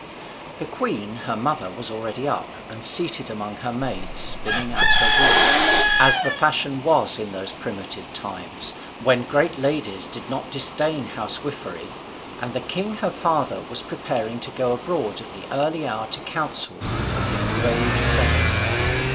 The queen her mother was already up, and seated among her maids, spinning at her wheel, as the fashion was in those primitive times, when great ladies did not disdain housewifery: and the king her father was preparing to go abroad at that early hour to council with his grave senate.